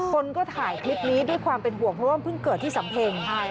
คนก็ถ่ายคลิปนี้ด้วยความเป็นห่วงเพราะว่าเพิ่งเกิดที่สำเพ็ง